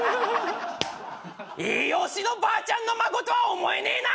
栄養士のばあちゃんの孫とは思えねえな！